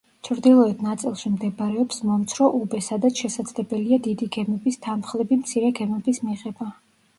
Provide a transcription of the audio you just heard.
ჩრდილოეთ ნაწილში მდებარეობს მომცრო უბე, სადაც შესაძლებელია დიდი გემების თანმხლები მცირე გემების მიღება.